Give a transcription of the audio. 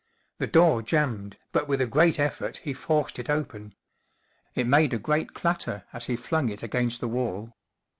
The door jammed, but with a great effort he forced it open. It made a great clatter as he flung it against the wall.